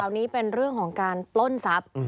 คราวนี้เป็นเรื่องของการปล้นสับ